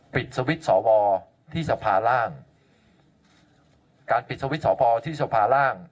ปิดสวิตช์สอวอที่สภาร่างการปิดสวิตช์สอพอที่สภาร่าง